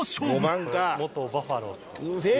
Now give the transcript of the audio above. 「元バファローズの」